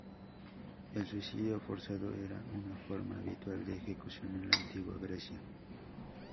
El suicido forzado era una forma habitual de ejecución en la antigua Grecia.